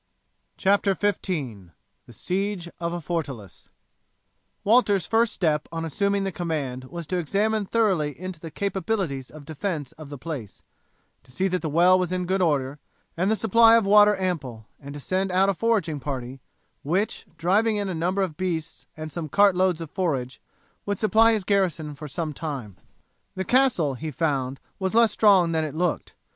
CHAPTER XV: THE SIEGE OF A FORTALICE Walter's first step on assuming the command was to examine thoroughly into the capabilities of defence of the place, to see that the well was in good order, and the supply of water ample, and to send out a foraging party, which, driving in a number of beasts and some cart loads of forage, would supply his garrison for some time. The castle he found was less strong than it looked.